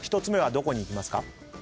１つ目はどこにいきますか？